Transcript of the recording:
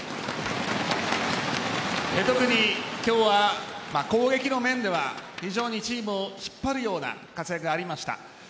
特に今日は攻撃の面では非常にチームを引っ張るような活躍がありました。